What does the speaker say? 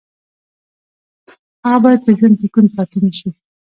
هغه باید په ژوند کې کوڼ پاتې نه شي